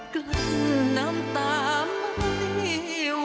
กลั่นน้ำตาไม่ไหว